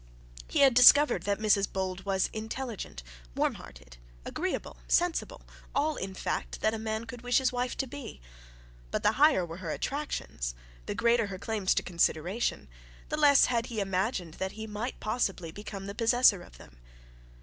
He had discovered that Mrs Bold was intelligent, warm hearted, agreeable, sensible, all, in fact, that a man could wish his wife to be; but the higher were her attractions, the greater her claims to consideration, the less had he imagined that he might possible become the possessor of them.